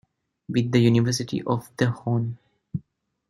with the University of the Hon.